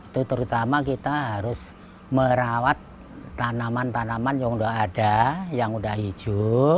terutama kita harus merawat tanaman tanaman yang sudah ada yang udah hijau